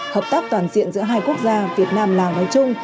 hợp tác toàn diện giữa hai quốc gia việt nam lào nói chung